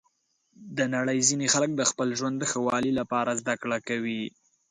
د نړۍ ځینې خلک د خپل ژوند د ښه والي لپاره زده کړه کوي.